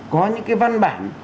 có những cái văn bản